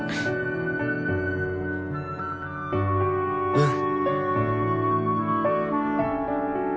うん。